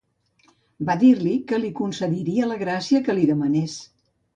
Va dir-li que li concediria la gràcia que li demanés.